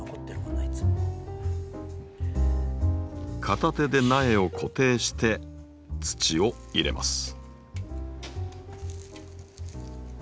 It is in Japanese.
片手で苗を固定して土を入れます。